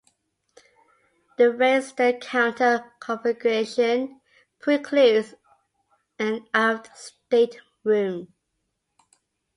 The raised stern counter configuration precludes an aft stateroom.